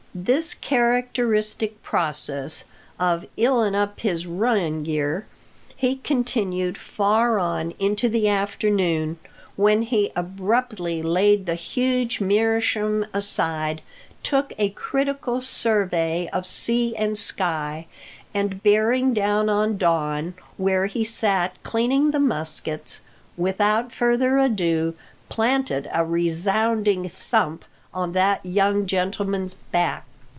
This characteristic process of "ilin' up his runnin' gear" he continued far on into the afternoon, when he abruptly laid the huge meerschaum aside, took a critical survey of sea and sky, and, bearing down on Don, where he sat cleaning the muskets, without further ado planted a resounding thump on that young gentleman's back.